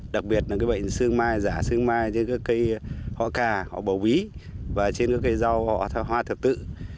đặc biệt là bệnh xương mai giả xương mai trên các cây hoa cà hoa bầu ví và trên các cây rau hoa thập tự